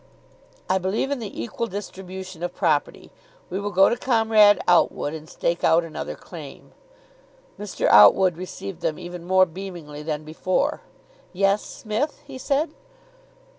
"I believe in the equal distribution of property. We will go to Comrade Outwood and stake out another claim." Mr. Outwood received them even more beamingly than before. "Yes, Smith?" he said.